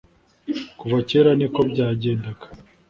Kuva kera niko byagendaga.